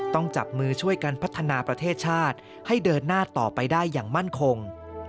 จับมือช่วยกันพัฒนาประเทศชาติให้เดินหน้าต่อไปได้อย่างมั่นคง